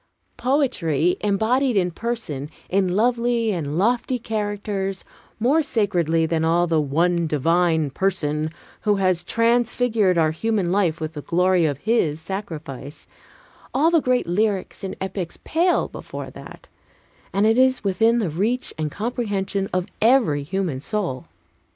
Poetry embodied in persons, in lovely and lofty characters, more sacredly than all in the One Divine Person who has transfigured our human life with the glory of His sacrifice, all the great lyrics and epics pale before that, and it is within the reach and comprehension of every human soul.